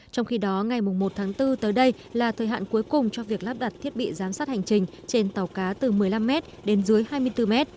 trong khi đó ngày một tháng bốn tới đây là thời hạn cuối cùng cho việc lắp đặt thiết bị giám sát hành trình trên tàu cá từ một mươi năm m đến dưới hai mươi bốn m